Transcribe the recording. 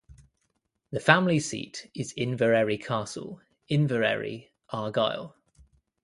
The family seat is Inveraray Castle, Inveraray, Argyll.